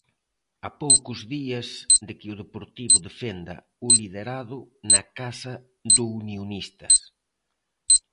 A poucos días de que o Deportivo defenda o liderado na casa do Unionistas.